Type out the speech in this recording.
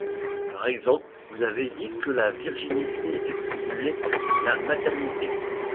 Par exemple, vous avez dit que la virginité excluait la maternité.